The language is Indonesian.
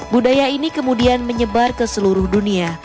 budaya ini kemudian menyebar ke seluruh dunia